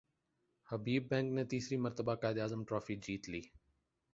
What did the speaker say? حبیب bank نے تیسری مرتبہ قائد اعظم ٹرافی جیت لی